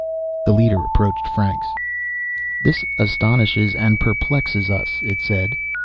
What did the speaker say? The leader approached Franks. "This astonishes and perplexes us," it said.